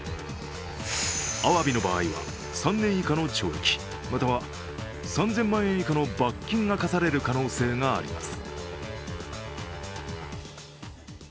あわびの場合は３年以下の懲役または３０００万円以下の罰金が科される可能性があります。